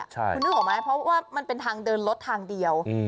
คุณนึกออกไหมเพราะว่ามันเป็นทางเดินรถทางเดียว